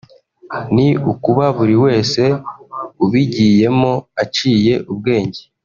ni ukuba buri wese ubigiyemo aciye ubwenge